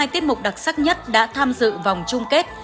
một mươi hai tiết mục đặc sắc nhất đã tham dự vòng chung kết